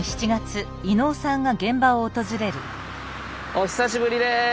お久しぶりです。